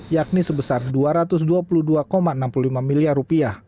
yakni sebesar rp dua ratus dua puluh dua enam puluh lima miliar